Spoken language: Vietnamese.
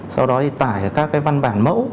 sau đó tải các văn bản mẫu